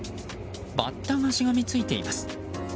バッタがしがみついています。